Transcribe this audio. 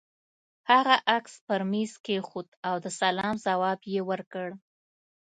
هغه عکس پر مېز کېښود او د سلام ځواب يې ورکړ.